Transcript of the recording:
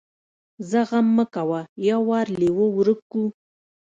ځه غم مه کوه يو وار لېوه ورک کو.